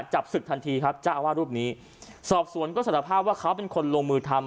จับศึกทันทีครับเจ้าอาวาสรูปนี้สอบสวนก็สารภาพว่าเขาเป็นคนลงมือทำ